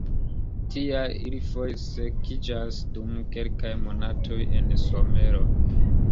Tial, ili foje sekiĝas dum kelkaj monatoj en somero.